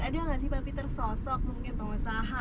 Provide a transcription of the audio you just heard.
ada gak sih pak fitr sosok mungkin pengusaha